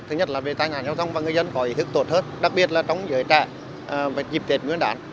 thứ nhất là về tài ngạc giao thông và người dân có ý thức tốt hơn đặc biệt là trong giới trại và dịp tiệt nguyên đoán